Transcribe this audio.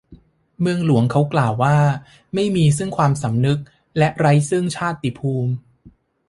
เมืองหลวง เขากล่าว ไม่มีซึ่งความสำนึกและไร้ซึ่งชาติภูมิ